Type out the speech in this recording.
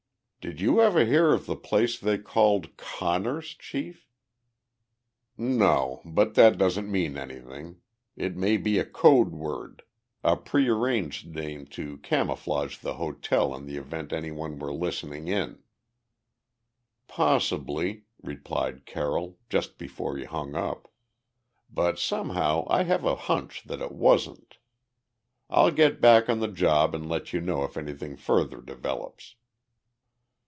"Did you ever hear of the place they called Conner's, Chief?" "No, but that doesn't mean anything. It may be a code word a prearranged name to camouflage the hotel in the event anyone were listening in." "Possibly," replied Carroll, just before he hung up, "but somehow I have a hunch that it wasn't. I'll get back on the job and let you know if anything further develops."